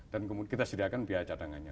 dan kemudian kita sediakan biaya cadangannya